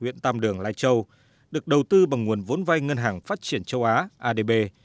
huyện tam đường lai châu được đầu tư bằng nguồn vốn vai ngân hàng phát triển châu á adb